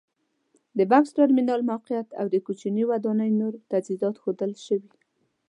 د بکس ترمینل موقعیت او د کوچنۍ ودانۍ نور تجهیزات ښودل شوي.